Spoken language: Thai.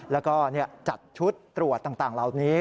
แล้วก็จัดชุดตรวจต่างเหล่านี้